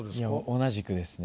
同じくですね。